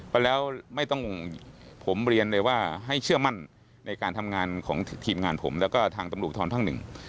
พันแล้วผมเรียนเลยว่าให้เชื่อมั่นในการทำงานของถีมงานผมและทางตำรุทรฐันตร์พหนึ่ง